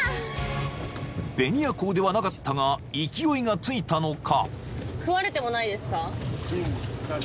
［ベニアコウではなかったが勢いがついたのか］